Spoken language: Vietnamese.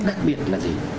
đặc biệt là gì